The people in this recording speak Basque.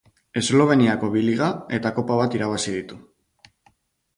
Esloveniako bi Liga eta Kopa bat irabazi ditu.